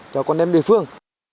cho con đem địa phương